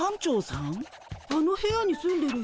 あの部屋に住んでる人